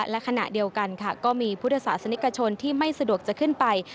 และขณะเดียวกันค่ะก็มีพุทธศาสนิกชนที่ไม่สะดวกจะขึ้นไป